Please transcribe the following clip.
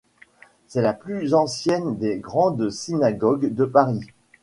C'est la plus ancienne des grandes synagogues de Paris.